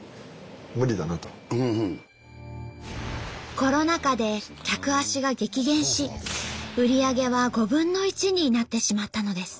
コロナ禍で客足が激減し売り上げは５分の１になってしまったのです。